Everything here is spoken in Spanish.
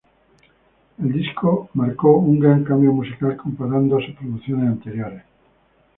El disco marcó un gran cambio musical comparado a sus producciones anteriores.